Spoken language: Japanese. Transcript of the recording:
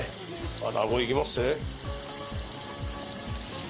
アナゴいきまっせ。